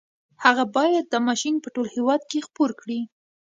هغه بايد دا ماشين په ټول هېواد کې خپور کړي.